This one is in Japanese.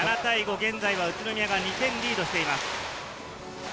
現在は宇都宮が２点リードしています。